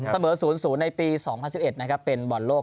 เสบอศูนย์นม๒๐๐ปีเป็นบรรโลก